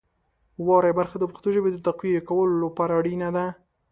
واورئ برخه د پښتو ژبې د تقویه کولو لپاره اړینه ده.